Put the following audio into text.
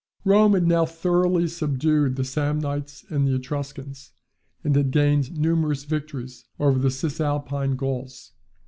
Rome had now thoroughly subdued the Samnites and the Etruscans, and had gained numerous victories over the Cisalpine Gauls.